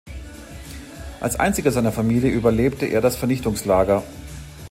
Als einziger seiner Familie überlebte er das Vernichtungslager.